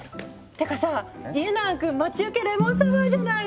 てかさ家長くん待ち受けレモンサワーじゃない！